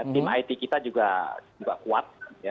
tim it kita juga kuat